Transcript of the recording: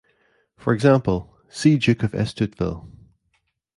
For example, see Duke of Estouteville.